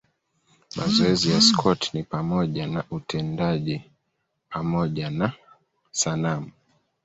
Mazoezi ya Scott ni pamoja na utendaji pamoja na sanamu.